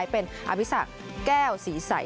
เป็นอาวิสักแก้วสีใส